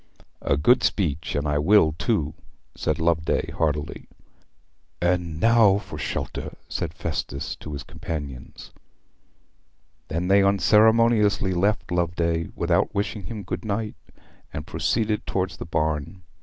"' 'A good speech. And I will, too,' said Loveday heartily. 'And now for shelter,' said Festus to his companions. They then unceremoniously left Loveday, without wishing him good night, and proceeded towards the barn.